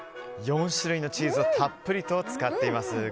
４種類のチーズをたっぷり使っています。